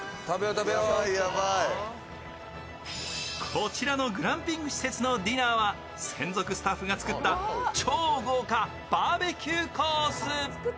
こちらのグランピング施設のディナーは専属スタッフが作った超豪華バーベキューコース。